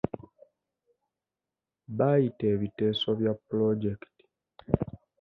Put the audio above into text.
Bayita ebiteeso bya pulojekiti.